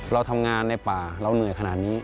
เราทำงานในป่าเราเหนื่อยขนาดนี้